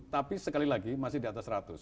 tapi sekali lagi masih di atas seratus